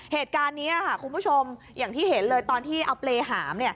เหตุการณ์นี้ค่ะคุณผู้ชมอย่างที่เห็นเลยตอนที่เอาเปรย์หาม